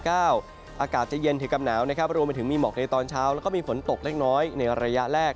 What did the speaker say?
อากาศจะเย็นถึงกับหนาวนะครับรวมไปถึงมีหมอกในตอนเช้าแล้วก็มีฝนตกเล็กน้อยในระยะแรก